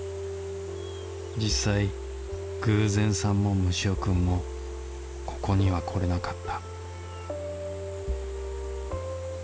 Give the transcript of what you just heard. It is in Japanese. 実際偶然さんも蒸し男くんもここには来られなかった